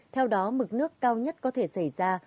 theo đó mực nước cao nhất có thể xảy ra